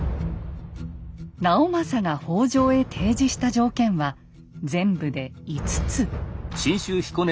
直政が北条へ提示した条件は全部で５つ。